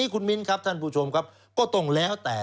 คุณมิ้นครับท่านผู้ชมครับก็ต้องแล้วแต่